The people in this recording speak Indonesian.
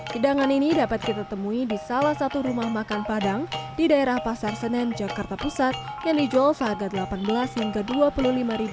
hidangan ini dapat kita temui di salah satu rumah makan padang di daerah pasar senen jakarta pusat yang dijual seharga rp delapan belas hingga rp dua puluh lima